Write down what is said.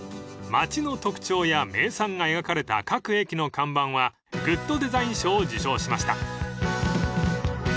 ［町の特徴や名産が描かれた各駅の看板はグッドデザイン賞を受賞しました］